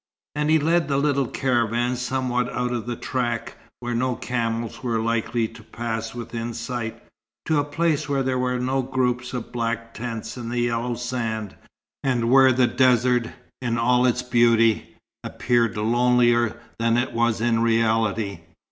And he led the little caravan somewhat out of the track, where no camels were likely to pass within sight, to a place where there were no groups of black tents in the yellow sand, and where the desert, in all its beauty, appeared lonelier than it was in reality.